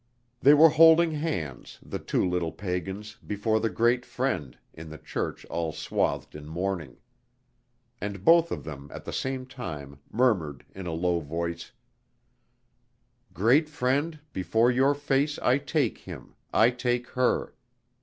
They were holding hands, the two little pagans, before the Great Friend, in the church all swathed in mourning. And both of them at the same time murmured in a low voice: "Great Friend, before your face I take him, I take her.